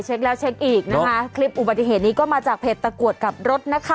เช็คแล้วเช็คอีกนะคะคลิปอุบัติเหตุนี้ก็มาจากเพจตะกรวดกับรถนะคะ